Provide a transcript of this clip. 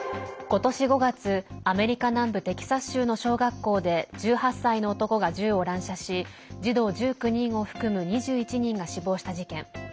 ことし５月、アメリカ南部テキサス州の小学校で１８歳の男が銃を乱射し児童１９人を含む２１人が死亡した事件。